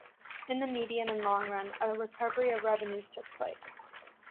In the medium and long run, a recovery of revenues took place.